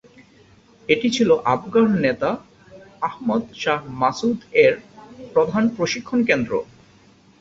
এটি ছিল আফগান নেতা আহমদ শাহ মাসুদ এর প্রধান প্রশিক্ষণ কেন্দ্র।